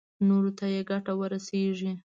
نورو ته يې ګټه ورسېږي.